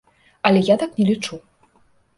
Але я так не лічу.